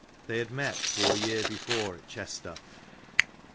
They had met four year before at Chester.